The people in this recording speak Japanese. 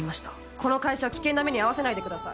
この会社を危険な目に遭わせないでください。